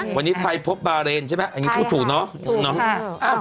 นะวันนี้ไทยพบบาร์เรนใช่ไหมอันนี้พูดถูกเนอะถูกค่ะ